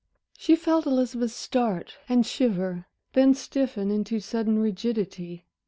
She felt Elizabeth start and shiver; then stiffen into sudden rigidity.